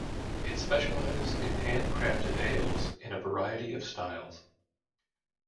It specializes in handcrafted ales in a variety of styles.